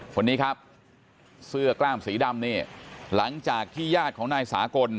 คนนี้ครับเสื้อกล้ามสีดำนี่หลังจากที่ญาติของนายสากล